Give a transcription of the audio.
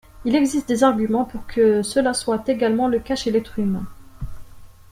Il existe des arguments pour que cela soit également le cas chez l'être humain.